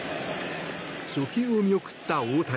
初球を見送った大谷。